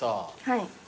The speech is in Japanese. はい。